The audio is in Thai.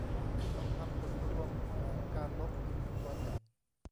ลองทำผลรวมของการลบอีกตัวหนึ่ง